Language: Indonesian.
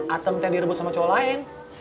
atem teh direbut sama cowok lain